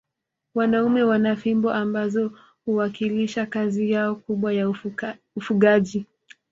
Wanaume wana fimbo ambazo huwakilisha kazi yao kubwa ya ufugaji